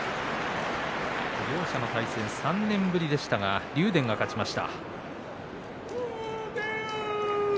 両者の対戦、３年ぶりでしたが竜電が勝ちました。